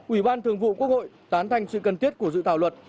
ủy ban thường vụ quốc hội tán thành sự cần thiết của dự thảo luật